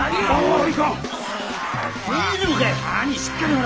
大丈夫かよ。